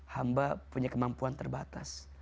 hamba punya kemampuan terbatas